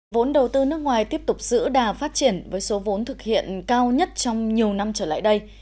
vốn đầu tư nước ngoài tiếp tục giữ đà phát triển với số vốn thực hiện cao nhất trong nhiều năm trở lại đây